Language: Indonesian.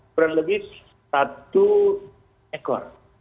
kurang lebih satu ekor